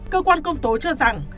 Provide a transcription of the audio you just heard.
cơ quan công tố cho rằng